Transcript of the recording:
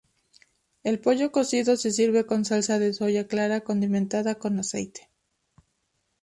El pollo cocido se sirve con salsa de soja clara condimentada con aceite.